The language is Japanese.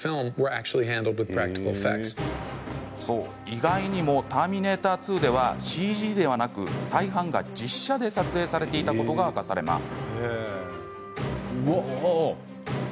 意外にも「ターミネーター２」ではＣＧではなく、大半が実写で撮影されていたことが明かされます。